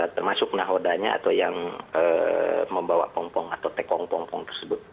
termasuk nahodanya atau yang membawa pongpong atau tekong pongkong tersebut